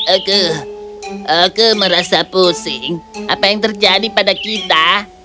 aku aku merasa pusing apa yang terjadi pada kita